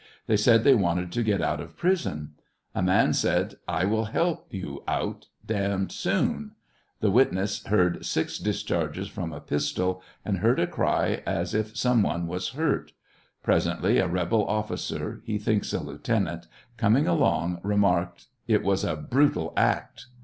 They said they wanted to get out of prison. A man said, " I will help you out damned soon." The witness heard six discharges from a pistol, and heard a cry as if some one was hurt. Presently a rebel officer, be thinks a lieutenant, coming along, remarked, " It was a brutal act."